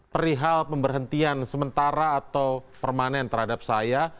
perihal pemberhentian sementara atau permanen terhadap saya